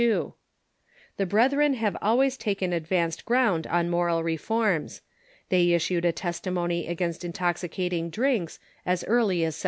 The Brethren have always taken advanced ground on moral reforms. They issued a testimony against intoxicating drinks as early as 1781.